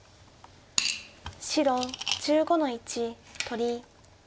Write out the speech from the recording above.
白１５の一取り。